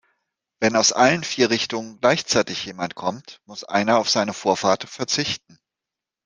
Wenn aus allen vier Richtungen gleichzeitig jemand kommt, muss einer auf seine Vorfahrt verzichten.